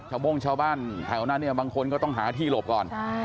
โบ้งชาวบ้านแถวนั้นเนี่ยบางคนก็ต้องหาที่หลบก่อน